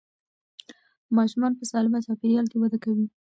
ماشومان په سالمه چاپېریال کې وده کوي.